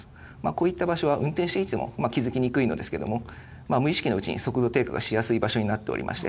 こういった場所は運転していても、気付きにくいのですけれども、無意識のうちに速度低下がしやすい場所になっておりまして、